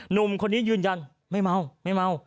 นุ่มคนนี้ยืนยันไม่เมา